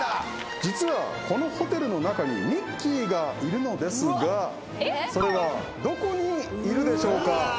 実はこのホテルの中にミッキーがいるのですがそれはどこにいるでしょうか？